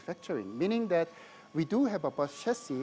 maksudnya kami memiliki bus chassis